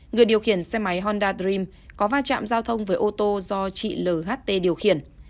người điều khiển xe máy honda dream có va chạm giao thông với ô tô do chị l h t điều khiển